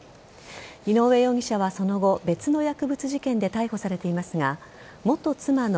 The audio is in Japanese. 井上容疑者はその後、別の薬物事件で逮捕されていますが元妻の